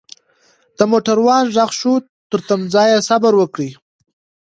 دموټروان ږغ شو ترتمځای صبروکړئ.